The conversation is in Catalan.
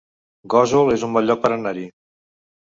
Gósol es un bon lloc per anar-hi